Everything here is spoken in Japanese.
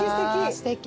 すてき。